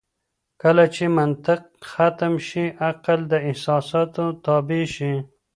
چې کله منطق ختم شي عقل د احساساتو تابع شي.